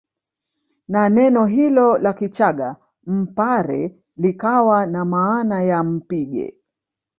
Na neno hilo la kichaga Mpare likawa na maana ya mpige